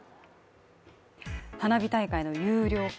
花火大会の有料化